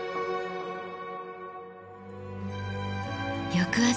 翌朝。